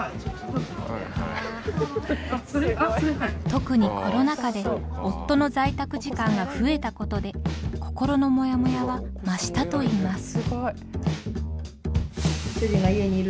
特にコロナ禍で夫の在宅時間が増えたことで心のもやもやは増したといいます。